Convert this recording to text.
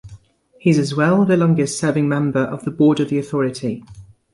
He is as well the longest serving member of the board of the authority.